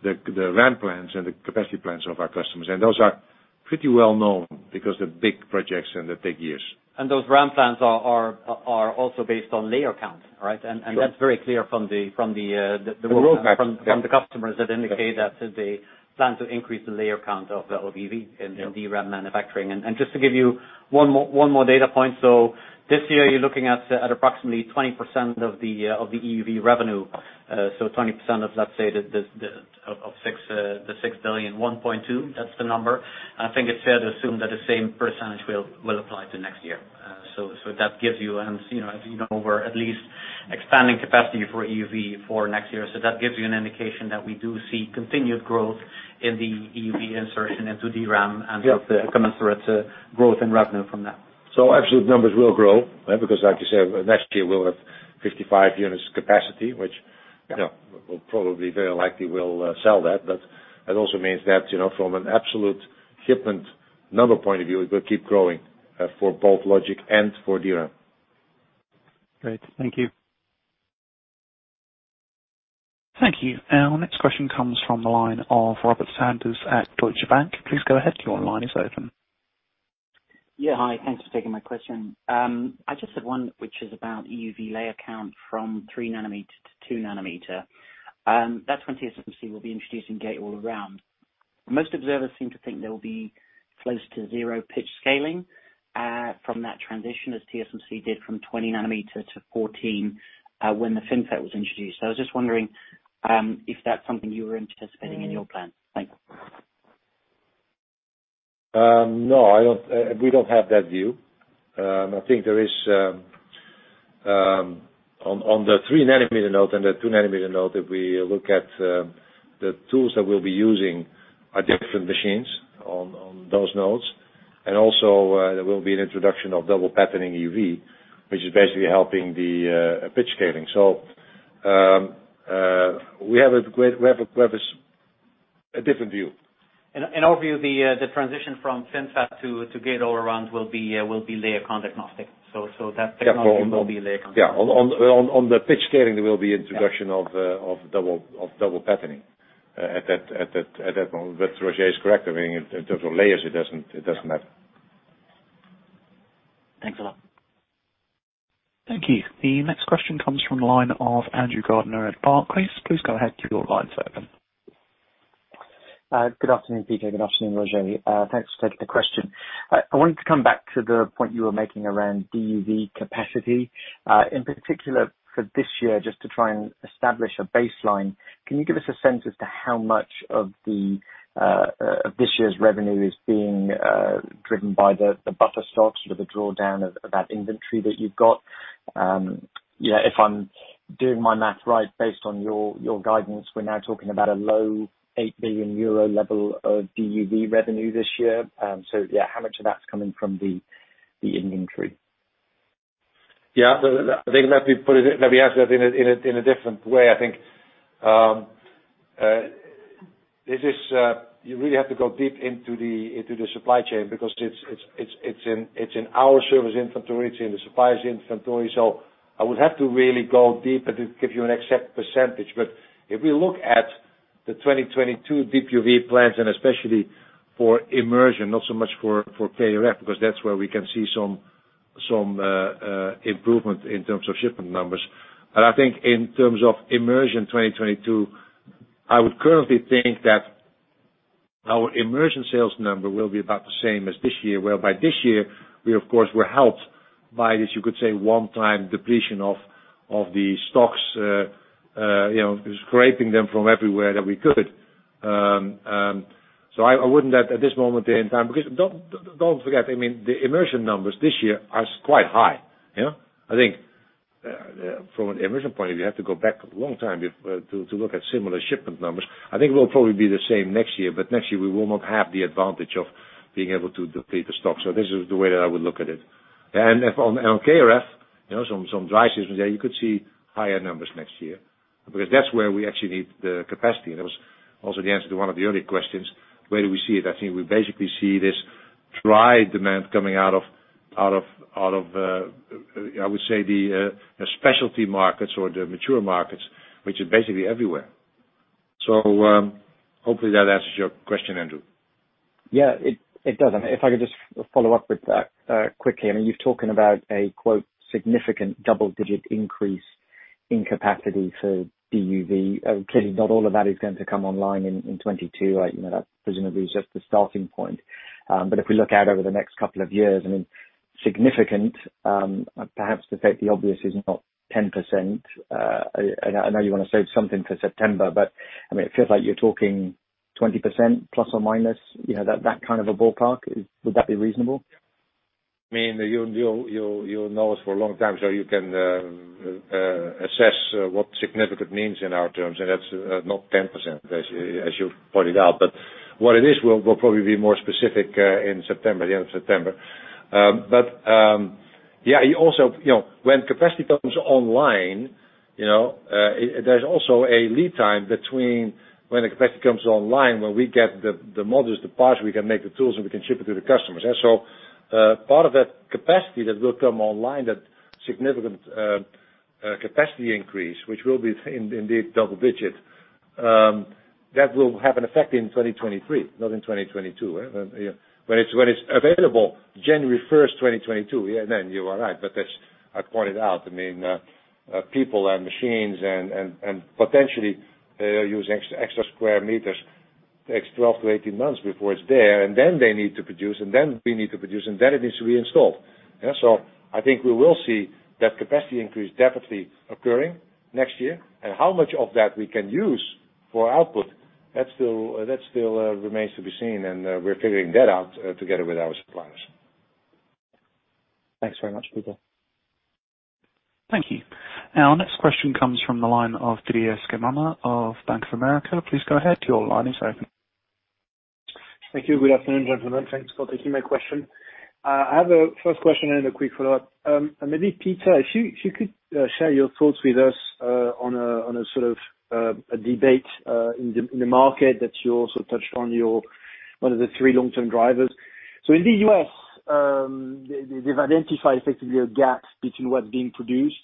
C: the ramp plans and the capacity plans of our customers, and those are pretty well known because they're big projects and they take years.
D: Those ramp plans are also based on layer count, right? That's very clear from the, from the.
C: The roadmaps. Yeah.
D: From the customers that indicate that they plan to increase the layer count of the EUV.
C: Yeah.
D: in DRAM manufacturing. Just to give you one more data point. This year, you're looking at approximately 20% of the EUV revenue. 20% of let's say the 6 billion, 1.2, that's the number. I think it's fair to assume that the same percentage will apply to next year. That gives you know, as you know, we're at least expanding capacity for EUV for next year. That gives you an indication that we do see continued growth in the EUV insertion into DRAM.
C: Yeah.
D: Commensurate growth in revenue from that.
C: Absolute numbers will grow, right? Because like you said, next year we'll have 55 units capacity, which.
D: Yeah.
C: You know, we'll probably very likely will sell that. It also means that, you know, from an absolute shipment number point of view, it will keep growing for both logic and for DRAM.
K: Great. Thank you.
A: Thank you. Our next question comes from the line of Robert Sanders at Deutsche Bank. Please go ahead, your line is open.
L: Yeah. Hi, thanks for taking my question. I just had one which is about EUV layer count from 3 nm to 2 nm, that's when TSMC will be introducing gate-all-around. Most observers seem to think there will be close to zero pitch scaling from that transition as TSMC did from 20 nm to 14nm when the FinFET was introduced. I was just wondering if that's something you were anticipating in your plan. Thanks.
C: No, I don't. We don't have that view. I think there is On the 3 nm node and the 2 nm node, if we look at, the tools that we'll be using are different machines on those nodes. Also, there will be an introduction of double patterning EUV, which is basically helping the pitch scaling. We have a great We have a different view.
D: In our view, the transition from FinFET to gate-all-around will be layer count agnostic.
C: Yeah.
D: Will be layer count agnostic.
C: Yeah. On the pitch scaling, there will be introduction.
D: Yeah.
C: Of double patterning, at that moment. Roger Dassen is correct. I mean, in terms of layers, it doesn't have.
L: Thanks a lot.
A: Thank you. The next question comes from the line of Andrew Gardiner at Barclays. Please go ahead. Your line's open.
M: Good afternoon, Peter. Good afternoon, Roger. Thanks for taking the question. I wanted to come back to the point you were making around DUV capacity. In particular for this year, just to try and establish a baseline, can you give us a sense as to how much of this year's revenue is being driven by the buffer stocks with the drawdown of that inventory that you've got? You know, if I'm doing my math right, based on your guidance, we're now talking about a low 8 billion euro level of DUV revenue this year. Yeah, how much of that's coming from the inventory?
C: I think let me answer that in a different way. I think this is you really have to go deep into the supply chain because it's in our service inventory, it's in the suppliers' inventory. I would have to really go deep and to give you an exact percentage. If we look at the 2022 DUV plans, and especially for immersion, not so much for KrF, because that's where we can see some improvement in terms of shipment numbers. I think in terms of immersion 2022, I would currently think that our immersion sales number will be about the same as this year, whereby this year we of course were helped by this, you could say one time depletion of the stocks, you know, scraping them from everywhere that we could. I wouldn't at this moment in time. Don't forget, I mean, the immersion numbers this year are quite high. You know. I think from an immersion point of view, you have to go back a long time to look at similar shipment numbers. I think it will probably be the same next year, but next year we will not have the advantage of being able to deplete the stock. This is the way that I would look at it. If on KrF, you know, some dry systems there, you could see higher numbers next year because that's where we actually need the capacity. That was also the answer to one of the earlier questions. Where do we see it? I think we basically see this dry demand coming out of, I would say the specialty markets or the mature markets, which is basically everywhere. Hopefully that answers your question, Andrew.
M: Yeah, it does. If I could just follow up with that quickly. I mean, you're talking about a, quote, "significant double-digit increase in capacity for DUV." Clearly not all of that is going to come online in 2022. You know, that presumably is just the starting point. If we look out over the next couple of years, I mean, significant, perhaps to state the obvious is not 10%. I know you want to save something for September, but I mean, it feels like you're talking 20%±, you know, that kind of a ballpark. Would that be reasonable?
C: I mean, you've known us for a long time, you can assess what significant means in our terms, and that's not 10% as you pointed out. What it is will probably be more specific in September, the end of September. Yeah, you also, you know, when capacity comes online, you know, there's also a lead time between when the capacity comes online, when we get the modules, the parts, we can make the tools, and we can ship it to the customers. Part of that capacity that will come online, that significant capacity increase, which will be in the double digits, that will have an effect in 2023, not in 2022. When it's available January 1st, 2022, yeah, you are right. As I pointed out, I mean, people and machines and potentially, using extra square meters takes 12 to 18 months before it's there, and then they need to produce, and then we need to produce, and then it needs to be installed. Yeah, I think we will see that capacity increase definitely occurring next year. How much of that we can use for output, that still remains to be seen. We're figuring that out together with our suppliers.
M: Thanks very much, Peter.
A: Thank you. Our next question comes from the line of Didier Scemama of Bank of America. Please go ahead. Your line is open.
N: Thank you. Good afternoon, gentlemen. Thanks for taking my question. I have a first question and a quick follow-up. Maybe, Peter, if you, if you could share your thoughts with us on a, on a sort of, a debate in the market that you also touched on one of the three long-term drivers. In the U.S., they've identified effectively a gap between what's being produced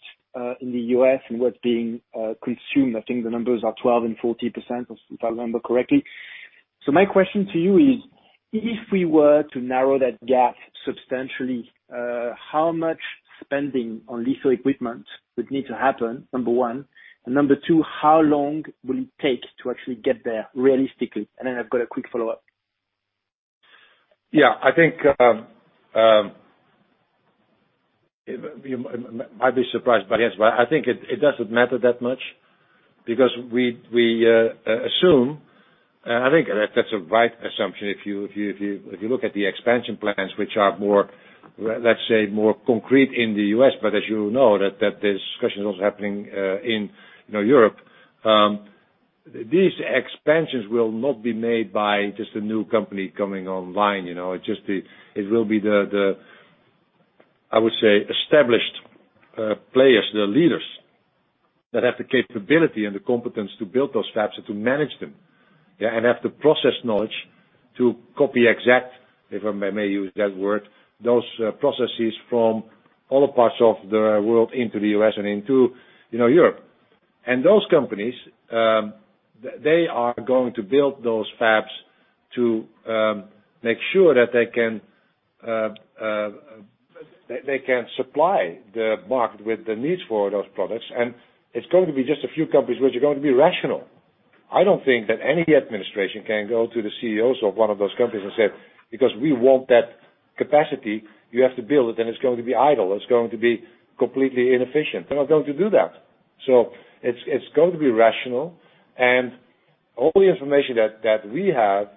N: in the U.S. and what's being consumed. I think the numbers are 12 and 40%, if I remember correctly. My question to you is, if we were to narrow that gap substantially, how much spending on litho equipment would need to happen, number one? Number two, how long will it take to actually get there realistically? I've got a quick follow-up.
C: Yeah. I think you might be surprised by the answer, but I think it doesn't matter that much because we assume, and I think that that's a right assumption. If you look at the expansion plans, which are more, let's say, more concrete in the U.S., but as you know that discussion is also happening in, you know, Europe. These expansions will not be made by just a new company coming online. You know, it will be the, I would say, established players, the leaders that have the capability and the competence to build those fabs and to manage them. And have the process knowledge to Copy Exactly, if I may use that word, those processes from all parts of the world into the U.S. and into, you know, Europe. Those companies, they are going to build those fabs to make sure that they can, they can supply the market with the needs for those products. It's going to be just a few companies which are going to be rational. I don't think that any administration can go to the CEOs of one of those companies and say, "Because we want that capacity you have to build, then it's going to be idle." It's going to be completely inefficient. They're not going to do that. It's going to be rational. All the information that we have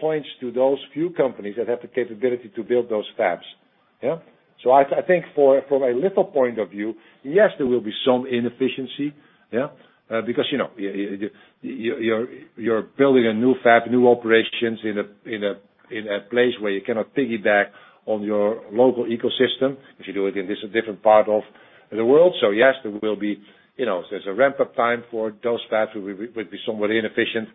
C: points to those few companies that have the capability to build those fabs. Yeah. I think from a little point of view, yes, there will be some inefficiency, yeah. Because, you know, you're building a new fab, new operations in a place where you cannot piggyback on your local ecosystem if you do it in this different part of the world. Yes, there will be, you know, there's a ramp-up time for those fabs. It would be somewhat inefficient,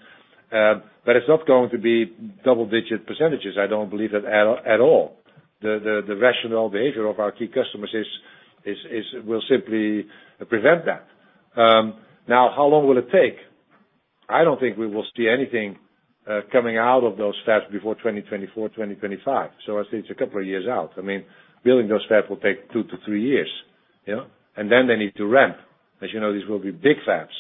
C: but it's not going to be double-digit percent. I don't believe that at all. The rational behavior of our key customers will simply prevent that. Now, how long will it take? I don't think we will see anything coming out of those fabs before 2024, 2025. I'd say it's a couple of years out. I mean, building those fabs will take two to three years, you know. They need to ramp. As you know, these will be big fabs,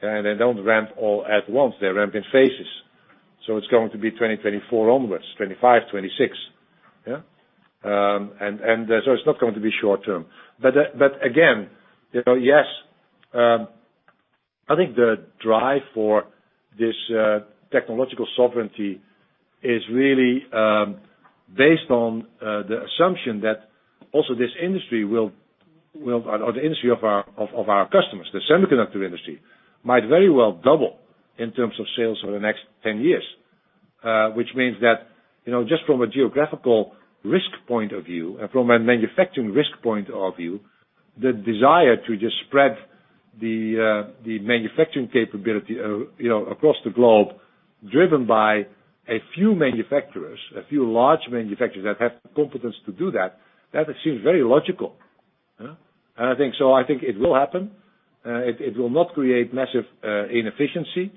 C: they don't ramp all at once. They ramp in phases. It's going to be 2024 onwards, 25, 26. Yeah. It's not going to be short-term. Again, you know, yes, I think the drive for this technological sovereignty is really based on the assumption that also this industry will or the industry of our, of our customers, the semiconductor industry, might very well double in terms of sales over the next 10 years. Which means that, you know, just from a geographical risk point of view and from a manufacturing risk point of view, the desire to just spread the manufacturing capability, you know, across the globe, driven by a few manufacturers, a few large manufacturers that have the competence to do that seems very logical. You know. I think so. I think it will happen. It will not create massive inefficiency.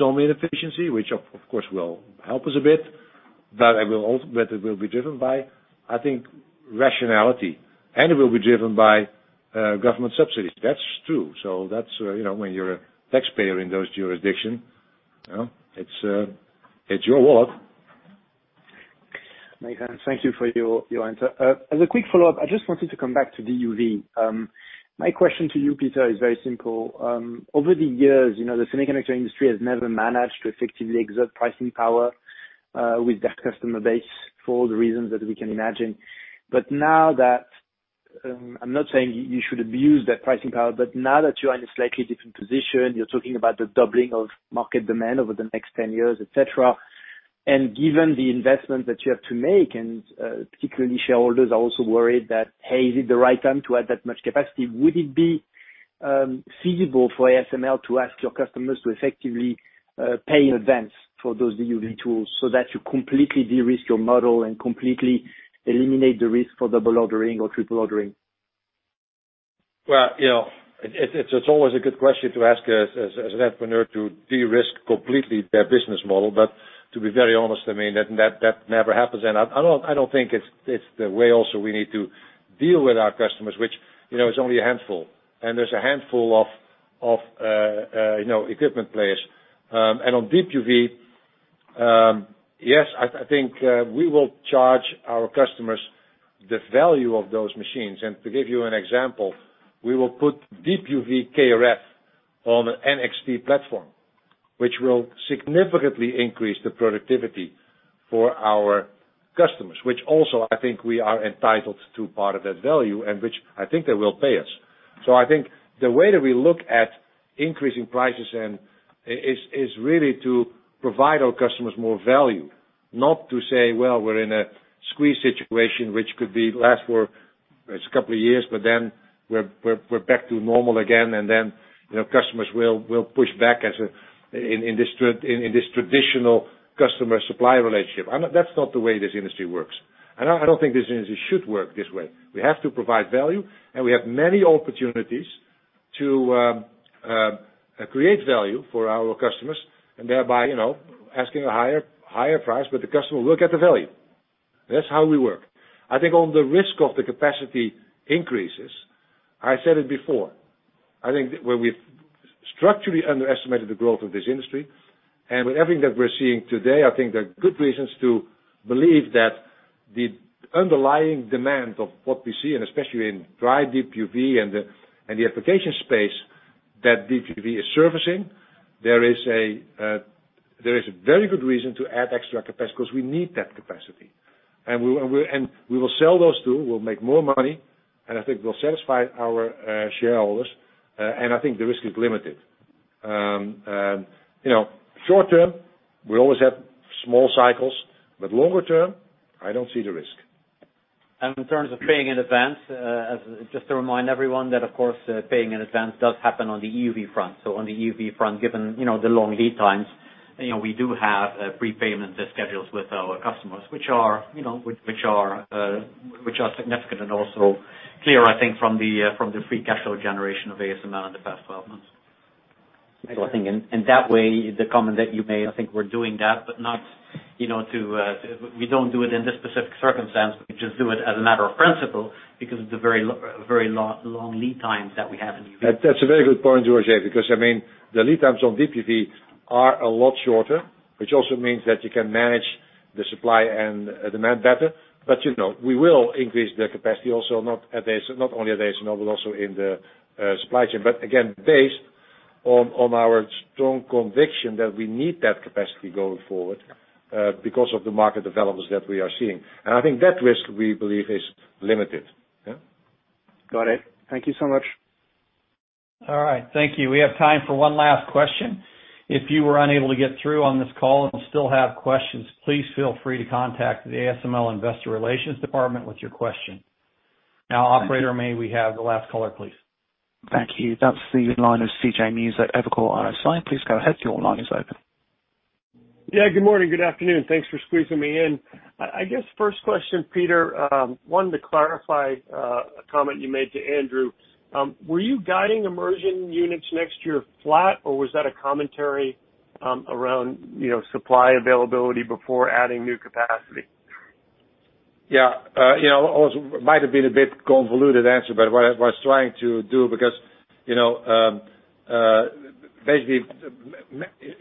C: Some inefficiency, which of course, will help us a bit. It will be driven by, I think, rationality, and it will be driven by government subsidies. That's true. That's, you know, when you're a taxpayer in those jurisdictions. Well, it's your world.
N: Peter, thank you for your answer. As a quick follow-up, I just wanted to come back to the UV. My question to you, Peter, is very simple. Over the years, you know, the semiconductor industry has never managed to effectively exert pricing power with that customer base for all the reasons that we can imagine. Now that, I'm not saying you should abuse that pricing power, now that you are in a slightly different position, you're talking about the doubling of market demand over the next 10 years, et cetera. Given the investment that you have to make and particularly shareholders are also worried that, hey, is it the right time to add that much capacity? Would it be feasible for ASML to ask your customers to effectively pay in advance for those DUV tools so that you completely de-risk your model and completely eliminate the risk for double ordering or triple ordering?
C: Well, you know, it's always a good question to ask as an entrepreneur to de-risk completely their business model. To be very honest, I mean, that never happens. I don't think it's the way also we need to deal with our customers, which, you know, is only a handful, and there's a handful of, you know, equipment players. On Deep UV, yes, I think we will charge our customers the value of those machines. To give you an example, we will put Deep UV KrF on NXT platform, which will significantly increase the productivity for our customers, which also, I think we are entitled to part of that value, and which I think they will pay us. I think the way that we look at increasing prices and is really to provide our customers more value, not to say, well, we're in a squeeze situation, which could be last for a couple of years, but then we're back to normal again, and then, you know, customers will push back as in this traditional customer-supplier relationship. That's not the way this industry works. I don't think this industry should work this way. We have to provide value, and we have many opportunities to create value for our customers and thereby, you know, asking a higher price, but the customer will look at the value. That's how we work. I think on the risk of the capacity increases, I said it before, I think where we've structurally underestimated the growth of this industry, and with everything that we're seeing today, I think there are good reasons to believe that the underlying demand of what we see, and especially in dry Deep UV and the, and the application space that Deep UV is servicing, there is a very good reason to add extra capacity 'cause we need that capacity. We will sell those two, we'll make more money, and I think we'll satisfy our shareholders, and I think the risk is limited. You know, short term, we always have small cycles, longer term, I don't see the risk.
D: In terms of paying in advance, as just to remind everyone that of course, paying in advance does happen on the EUV front. On the EUV front, given the long lead times, we do have prepayment schedules with our customers, which are significant and also clear from the free cash flow generation of ASML in the past 12 months. Peter, in that way, the comment that you made, we're doing that, but not to We don't do it in this specific circumstance. We just do it as a matter of principle because of the very long lead times that we have in EUV.
C: That's a very good point, Roger Dassen, because, I mean, the lead times on Deep UV are a lot shorter, which also means that you can manage the supply and demand better. You know, we will increase the capacity also, not only at ASML, but also in the supply chain. Again, based on our strong conviction that we need that capacity going forward, because of the market developments that we are seeing. I think that risk, we believe, is limited. Yeah.
N: Got it. Thank you so much.
B: All right. Thank you. We have time for one last question. If you were unable to get through on this call and still have questions, please feel free to contact the ASML Investor Relations Department with your question. Now, operator, may we have the last caller, please?
A: Thank you. That's the line of C.J. Muse at Evercore ISI. Please go ahead. Your line is open.
O: Yeah, good morning, good afternoon. Thanks for squeezing me in. I guess first question, Peter, wanted to clarify a comment you made to Andrew. Were you guiding immersion units next year flat, or was that a commentary, around, you know, supply availability before adding new capacity?
C: Yeah, you know, also might have been a bit convoluted answer, but what I was trying to do because, you know, basically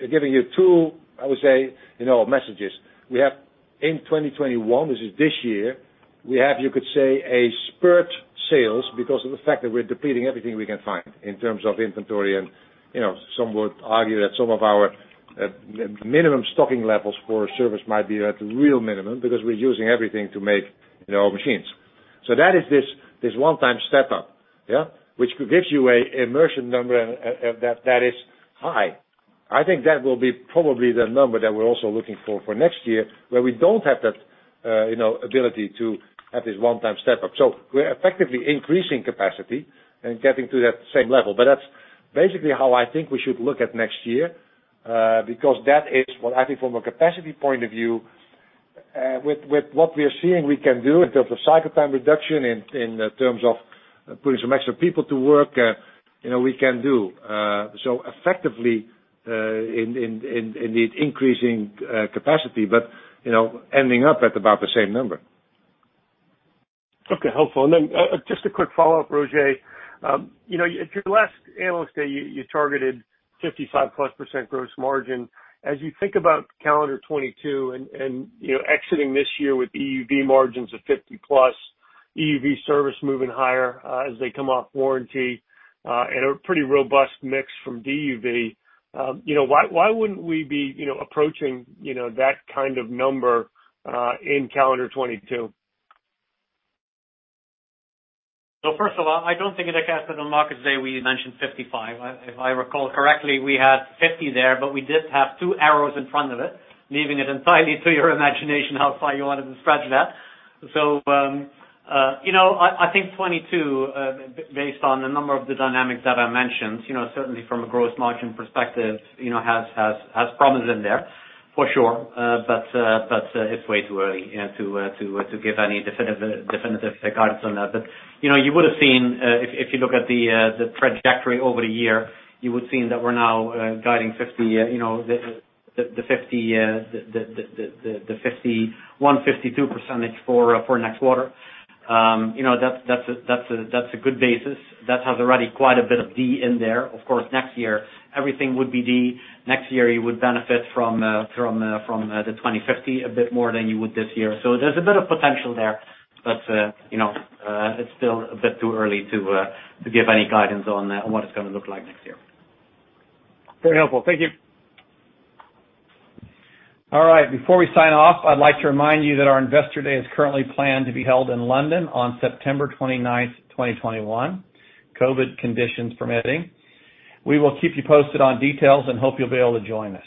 C: giving you two, I would say, you know, messages. We have in 2021, this is this year, we have, you could say, a spurt sales because of the fact that we're depleting everything we can find in terms of inventory and, you know, some would argue that some of our minimum stocking levels for service might be at real minimum because we're using everything to make, you know, machines. That is this one-time step-up, yeah, which gives you a immersion number and that is high. I think that will be probably the number that we're also looking for next year, where we don't have that, you know, ability to have this one-time step-up. We're effectively increasing capacity and getting to that same level. That's basically how I think we should look at next year, because that is what I think from a capacity point of view, with what we are seeing we can do in terms of cycle time reduction, in terms of putting some extra people to work, you know, we can do. Effectively, in the increasing capacity, but you know, ending up at about the same number.
O: Okay, helpful. Then, just a quick follow-up, Roger. You know, at your last analyst day, you targeted 55% plus gross margin. As you think about calendar 2022 and, you know, exiting this year with EUV margins of 50 plus, EUV service moving higher, as they come off warranty, and a pretty robust mix from DUV, you know, why wouldn't we be, you know, approaching, you know, that kind of number, in calendar 2022?
D: First of all, I don't think, C.J., I said on Capital Markets Day we mentioned 55. If I recall correctly, we had 50 there, we did have two arrows in front of it, leaving it entirely to your imagination how far you wanted to stretch that. You know, I think 2022, based on a number of the dynamics that I mentioned, you know, certainly from a gross margin perspective, you know, has promise in there, for sure. It's way too early to give any definitive guidance on that. You know, you would've seen, if you look at the trajectory over the year, you would seen that we're now guiding 50, you know, the 51, 52% for next quarter. You know, that's a good basis. That has already quite a bit of D in there. Of course, next year, everything would be D. Next year, you would benefit from the 2050 a bit more than you would this year. There's a bit of potential there, you know, it's still a bit too early to give any guidance on what it's going to look like next year.
O: Very helpful. Thank you.
B: All right, before we sign off, I'd like to remind you that our Investor Day is currently planned to be held in London on September 29th, 2021, COVID conditions permitting. We will keep you posted on details and hope you'll be able to join us.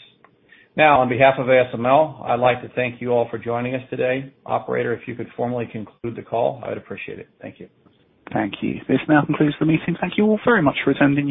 B: Now, on behalf of ASML, I'd like to thank you all for joining us today. Operator, if you could formally conclude the call, I would appreciate it. Thank you.
A: Thank you. This now concludes the meeting. Thank you all very much for attending.